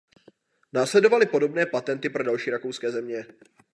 Následovaly podobné patenty pro další rakouské země.